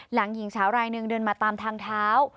หญิงสาวรายหนึ่งเดินมาตามทางเท้า